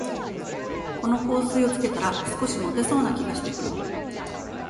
この香水をつけたら、少しもてそうな気がしてくる